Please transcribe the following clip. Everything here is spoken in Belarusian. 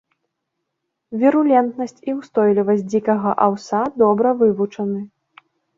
Вірулентнасць і ўстойлівасць дзікага аўса добра вывучаны.